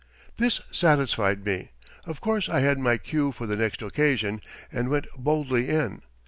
This satisfied me. Of course I had my cue for the next occasion, and went boldly in.